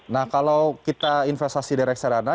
nah kalau kita investasi di reksadana